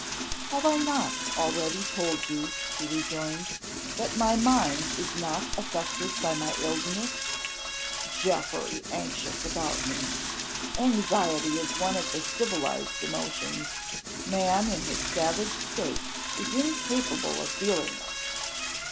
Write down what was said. "Have I not already told you," he rejoined, "that my mind is not affected by my illness? Geoffrey anxious about me! Anxiety is one of the civilized emotions. Man in his savage state is incapable of feeling it."